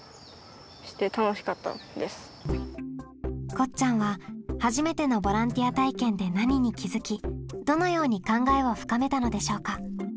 こっちゃんは初めてのボランティア体験で何に気づきどのように考えを深めたのでしょうか？